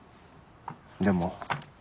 でも。